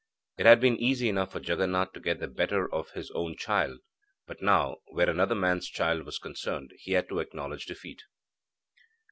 It had been easy enough for Jaganath to get the better of his own child; but, now, where another man's child was concerned, he had to acknowledge defeat.